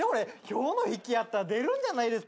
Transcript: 今日の引きやったら出るんじゃないですか？